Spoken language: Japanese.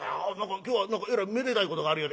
今日は何かえらいめでたいことがあるようで」。